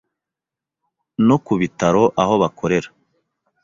no ku bitaro aho bakorera,